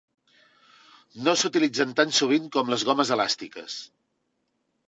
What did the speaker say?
No s'utilitzen tan sovint com les gomes elàstiques.